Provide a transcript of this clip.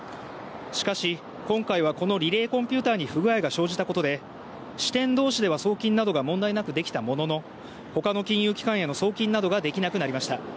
しかし、今回はこのリレーコンピューターに不具合が生じたことで支店同士では送金などが問題なくできたものの他の金融機関への送金などができなくなりました。